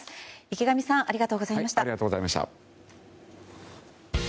池上さんありがとうございました。